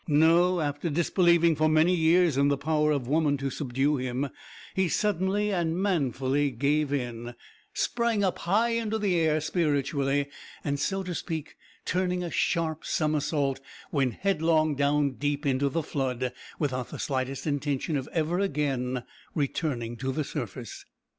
No; after disbelieving for many years in the power of woman to subdue him, he suddenly and manfully gave in sprang up high into the air, spiritually, and so to speak, turning a sharp somersault, went headlong down deep into the flood, without the slightest intention of ever again returning to the surface.